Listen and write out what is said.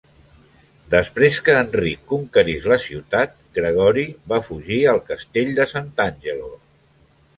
Després que Enric conquerís la ciutat, Gregori va fugir a Castel Sant'Angelo.